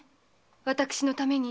私のために。